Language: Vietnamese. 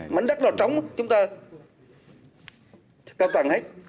mảnh đất nó trống chúng ta cao tầng hết